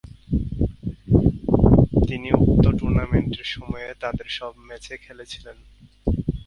তিনি উক্ত টুর্নামেন্টের সময়ে তাদের সব ম্যাচে খেলেছিলেন।